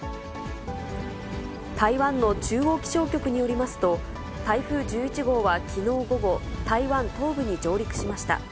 台湾の中央気象局によりますと、台風１１号はきのう午後、台湾東部に上陸しました。